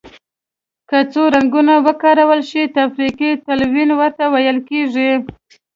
که څو رنګونه وکارول شي تفریقي تلوین ورته ویل کیږي.